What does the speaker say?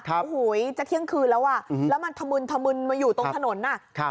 โอ้โหจะเที่ยงคืนแล้วแล้วมันถมึนมาอยู่ตรงถนน